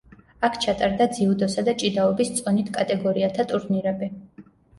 აქ ჩატარდა ძიუდოსა და ჭიდაობის წონით კატეგორიათა ტურნირები.